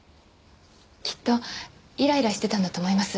きっとイライラしてたんだと思います。